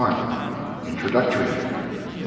INTRODUCTORY II.